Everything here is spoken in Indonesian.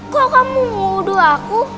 kalau kamu mau udu aku